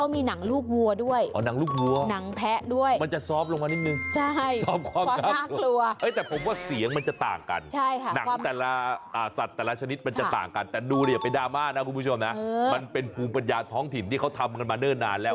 อ๋อมันเป็นภูรณ์ปัญญาท้องถิ่นที่เค้าท้ำกันมาเนิ้นนานแล้ว